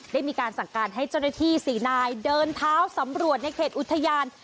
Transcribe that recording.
ได้มีการสั่งการให้เจ้าหน้าที่๔นายเดินเท้าสำรวจในเขตอุทยาน